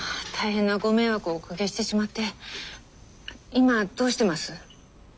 今どうしてます？